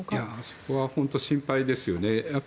そこは本当に心配ですよね。